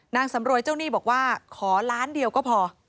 นางสำรวยเจ้าหนี้บอกว่าขอล้านเดียวก็พอ